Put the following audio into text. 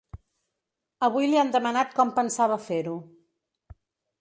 Avui li han demanat com pensava fer-ho.